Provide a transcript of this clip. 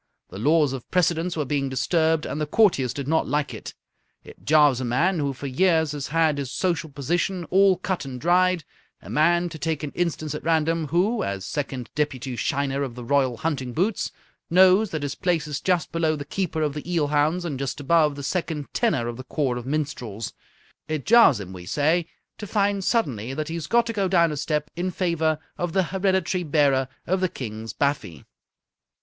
The laws of precedence were being disturbed, and the courtiers did not like it. It jars a man who for years has had his social position all cut and dried a man, to take an instance at random, who, as Second Deputy Shiner of the Royal Hunting Boots, knows that his place is just below the Keeper of the Eel Hounds and just above the Second Tenor of the Corps of Minstrels it jars him, we say, to find suddenly that he has got to go down a step in favour of the Hereditary Bearer of the King's Baffy.